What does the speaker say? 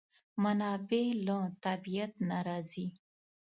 منابع له طبیعت نه راځي.